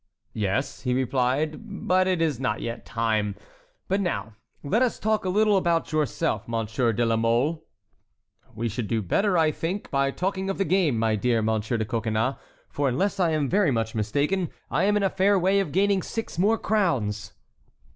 "Yes," he replied, "but it is not yet time. But now let us talk a little about yourself, Monsieur de la Mole." "We should do better, I think, by talking of the game, my dear Monsieur de Coconnas; for unless I am very much mistaken, I am in a fair way of gaining six more crowns."